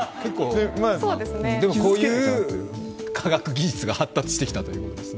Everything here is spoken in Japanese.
でも、こういう科学技術が発達してきたということですね。